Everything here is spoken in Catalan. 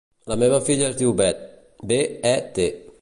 La meva filla es diu Bet: be, e, te.